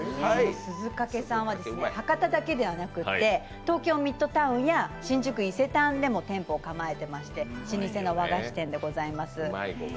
鈴懸さんは博多だけではなくて東京ミッドタウンや新宿伊勢丹でも店舗を構えてまして老舗の和菓子店でございます。